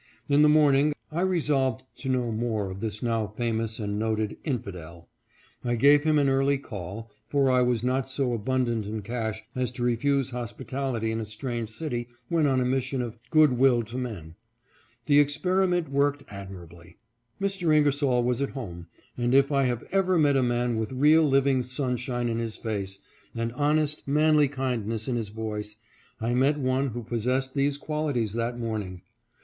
In the morning I resolved to know more of this now famous and noted " infidel." I gave him an early call, for I was not so abundant in cash as to refuse hospitality in a strange city when on a mission of " good will to men." The experi 562 THE HUMANITY OF AN " INFIDEL." merit worked admirably. Mr. Ingersoll was at home, and if I have ever met a man with real living human sunshine in his face, and honest, manly kindness in his voice, I met one who possessed these qualities that morn ing.